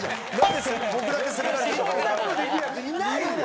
そんな事できるヤツいないよ。